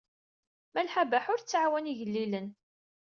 Malḥa Baḥa ur tettɛawan igellilen.